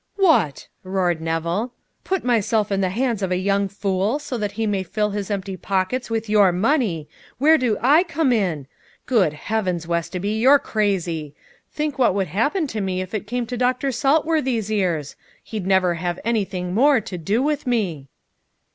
"What," roared Nevill, "put myself in the hands of a young fool so that he may fill his empty pockets with your money! Where do I come in? Good heavens, Westoby, you're crazy! Think what would happen to me if it came to Doctor Saltworthy's ears? He'd never have anything more to do with me!"